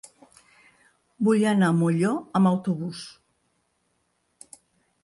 Vull anar a Molló amb autobús.